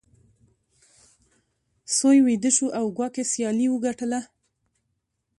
سوی ویده شو او کواګې سیالي وګټله.